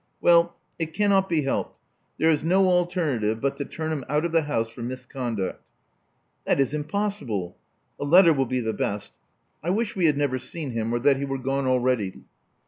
'*Well, it cannot be helped. There is no alternative but to turn him out of the house for misconduct." That is impossible. A letter will be the best. I wish we had never seen him, or that he were gone already.